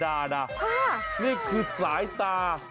ว่าว่าว่านี่คือสายตา